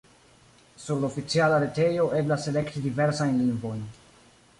Sur la oficiala retejo eblas elekti diversajn lingvojn.